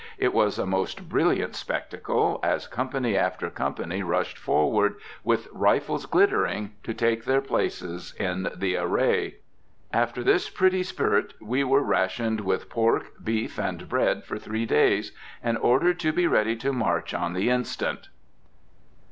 It was a most brilliant spectacle, as company after company rushed forward, with rifles glittering, to take their places in the array. After this pretty spirt, we were rationed with pork, beef, and bread for three days, and ordered to be ready to march on the instant.